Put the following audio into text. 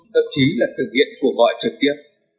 tậm chí là thực hiện cuộc gọi trả lời